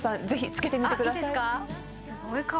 ぜひつけてみてください